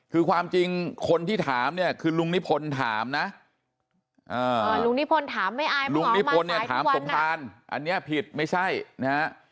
คือความจริงคนที่ถามเนี่ยคือลุงนิพลถามนะลุงนิพลถามสมภารอันเนี่ยผิดไม่ใช่นะ